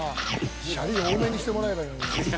シャリ多めにしてもらえばいいのに。